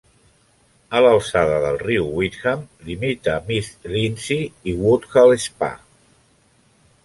A l'alçada del riu Witham, limita amb East Lindsey i Woodhall Spa.